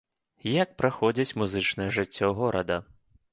Як праходзіць музычная жыццё горада?